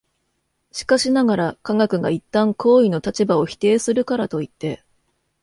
しかしながら、科学が一旦行為の立場を否定するからといって、